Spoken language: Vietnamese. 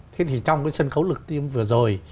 thế thì trong cái sân khấu lực tiêm vừa rồi